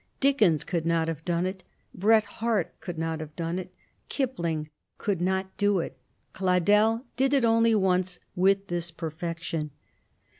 Dickens could not have done it, Bret Harte could not have done it, Kipling could not do it: Cladel did it only once, with this perfection.